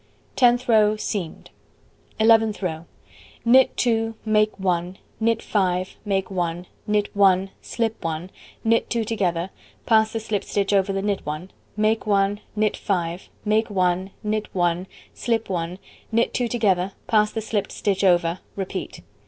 Tenth row: Seamed. Eleventh row: Knit 2, make 1, knit 5, make 1, knit 1, slip 1, knit 2 together, pass the slipped stitch over the knit one, make 1, knit 5, make 1, knit 1, slip 1, knit 2 together, pass the slipped stitch over, repeat.